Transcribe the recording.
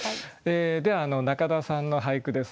では中田さんの俳句です。